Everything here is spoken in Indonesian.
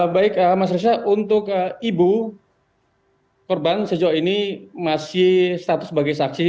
baik mas reza untuk ibu korban sejauh ini masih status sebagai saksi